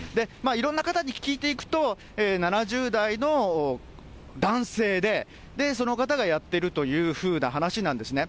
いろんな方に聞いていくと、７０代の男性で、その方がやってるというふうな話なんですね。